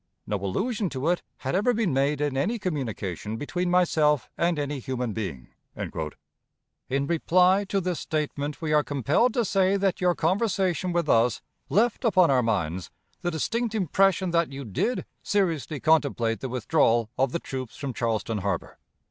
No allusion to it had ever been made in any communication between myself and any human being." In reply to this statement, we are compelled to say that your conversation with us left upon our minds the distinct impression that you did seriously contemplate the withdrawal of the troops from Charleston Harbor.